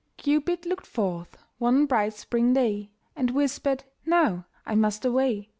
Cupid looked forth one bright spring day, And whispered, "Now I must away.